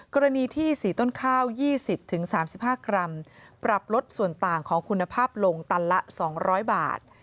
กรณีที่๔ต้นข้าว๒๐๓๕กรัมปรับลดส่วนต่างของคุณภาพลงตันละ๒๐๐บาท